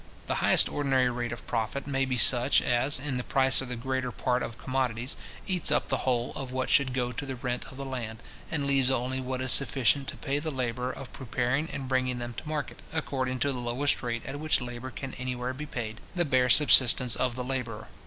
The highest ordinary rate of profit may be such as, in the price of the greater part of commodities, eats up the whole of what should go to the rent of the land, and leaves only what is sufficient to pay the labour of preparing and bringing them to market, according to the lowest rate at which labour can anywhere be paid, the bare subsistence of the labourer.